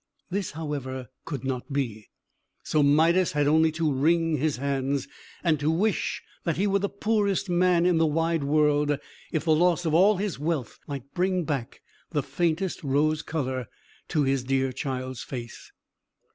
This, however, could not be. So Midas had only to wring his hands, and to wish that he were the poorest man in the wide world, if the loss of all his wealth might bring back the faintest rose colour to his dear child's face.